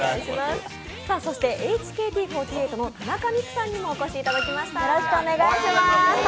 ＨＫＴ４８の田中美久さんにもお越しいただきましは田。